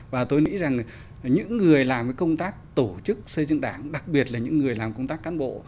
và tôi nghĩ rằng những người làm công tác tổ chức xây dựng đảng đặc biệt là những người làm công tác cán bộ